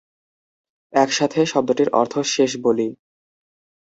একসাথে, শব্দটির অর্থ "শেষ বলি"।